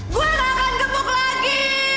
gue akan gemuk lagi